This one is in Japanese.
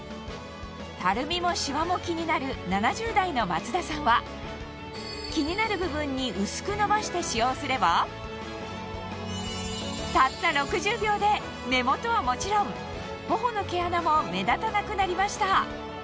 たるみもしわも気になる気になる部分に薄くのばして使用すればたった６０秒で目元はもちろん頬の毛穴も目立たなくなりました